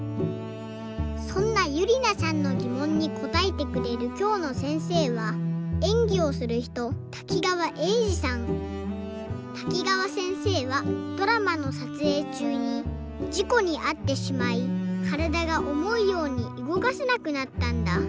そんなゆりなさんのぎもんにこたえてくれるきょうのせんせいはえんぎをするひとたきがわせんせいはドラマのさつえいちゅうにじこにあってしまいからだがおもうようにうごかせなくなったんだ。